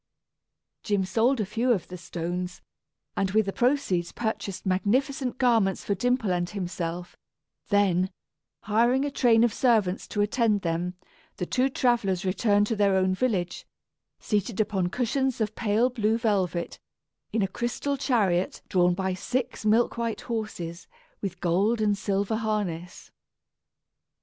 Jim sold a few of the stones, and with the proceeds purchased magnificent garments for Dimple and himself; then, hiring a train of servants to attend them, the two travellers returned to their own village, seated upon cushions of pale blue velvet in a crystal chariot drawn by six milk white horses, with gold and silver harness.